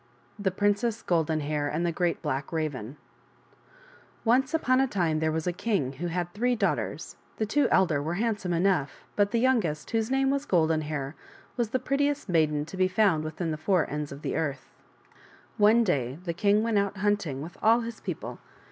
SCE upon a time there was a king who had three daughters, the two elder were handsome enough but the youngest, whose name was Golden Hair, was the prettiest maiden to be found within the four ends of the earth. One day the king went out hunting with all his people.